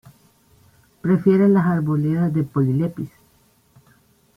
Prefiere las arboledas de "Polylepis".